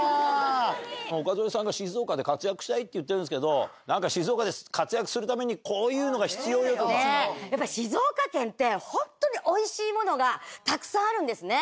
岡副さんが、静岡で活躍したいって言ってるんですけど、なんか、静岡で活躍するために、やっぱ静岡県って、本当においしいものがたくさんあるんですね。